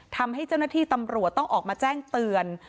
ทำให้เจ้าหน้าที่ตำรวจต้องออกมาแจ้งเตือน